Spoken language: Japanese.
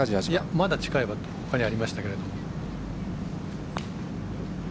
まだ近いのがほかにありましたけど。